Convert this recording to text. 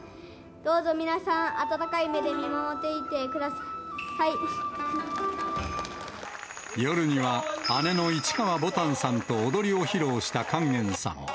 どうぞ皆さん、温かい目で見守っ夜には、姉の市川ぼたんさんと踊りを披露した勸玄さん。